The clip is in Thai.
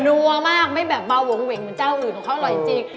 นัวมากไม่แบบเบาเหวแต่เตาอื่นเขา่ร้อยจริง